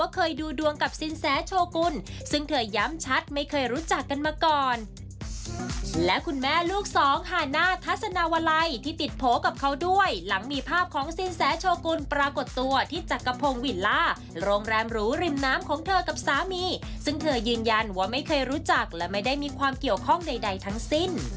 ใครที่ติดโผกับเขาด้วยหลังมีภาพของสินแสโชคุณปรากฏตัวที่จักรพงศ์วิลล่าโรงแรมหรูริมน้ำของเธอกับสามีซึ่งเธอยืนยันว่าไม่เคยรู้จักและไม่ได้มีความเกี่ยวข้องใดใดทั้งสิ้น